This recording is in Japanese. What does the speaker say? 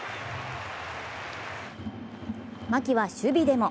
牧は守備でも。